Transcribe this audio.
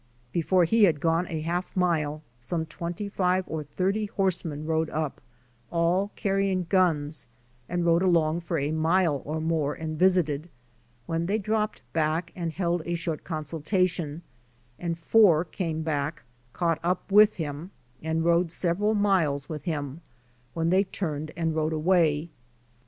Before he had gone a half mile some twenty five or thirty horsemen rode up, all carrying guns, and rode along for a mile or more and visited, when they dropped back and held a short consultation, and four came back, caught up with him, and rode several miles with him when they turned and rode away.